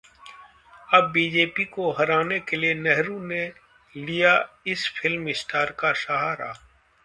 जब वाजपेयी को हराने के लिए नेहरू ने लिया इस फिल्म स्टार का सहारा